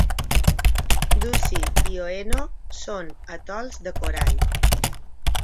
Ducie i Oeno són atols de corall.